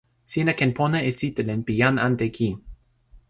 sina ken pona e sitelen pi jan ante kin.